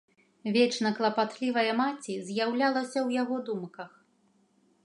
Вечна клапатлівая маці з'яўлялася ў яго думках.